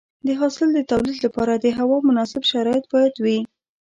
د حاصل د تولید لپاره د هوا مناسب شرایط باید وي.